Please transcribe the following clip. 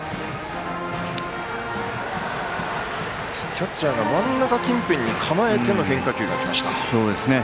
キャッチャーが真ん中近辺に構えての変化球が来ました。